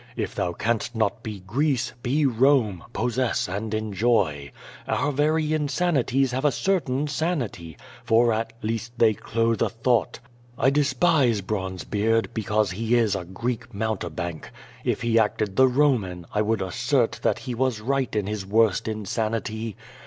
If thou canst not be Greece, be Kome, possess and enjoy. Our very insanities have a certain sanity, for at least they ch>the a thought. T despise l^ronzel>eard, because he is a Greek mountebank. If he acted the Soman, 1 would assert tliat he was riglit in his worst insanity.